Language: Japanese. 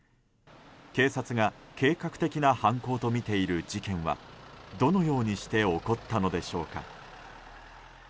警察が計画的な犯行とみている事件はどのようにして起こったのでしょうか。